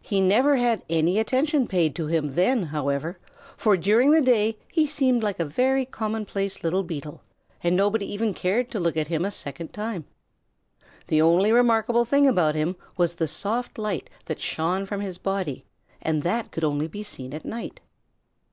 He never had any attention paid to him then, however, for during the day he seemed like a very commonplace little beetle and nobody even cared to look at him a second time. The only remarkable thing about him was the soft light that shone from his body, and that could only be seen at night.